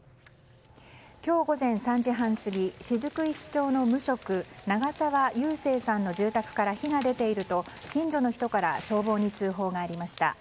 今日午前３時半過ぎ、雫石町の無職、長澤勇正さんの住宅から火が出ていると近所の人から消防に通報がありました。